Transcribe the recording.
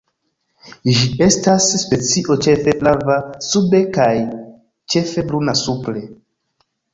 Ĝi estas specio ĉefe flava sube kaj ĉefe bruna supre.